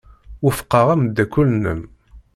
Wufqeɣ ameddakel-nnem.